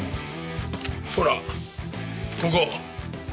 ほらここ。